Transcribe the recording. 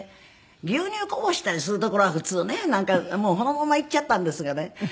牛乳こぼしたりするところは普通ねなんかもうそのままいっちゃったんですがね。